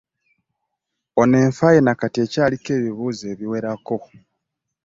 Ono enfa ye na kati ekyaliko ebibuuzo ebiwerako.